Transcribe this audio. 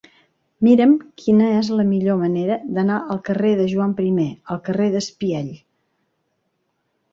Mira'm quina és la millor manera d'anar del carrer de Joan I al carrer d'Espiell.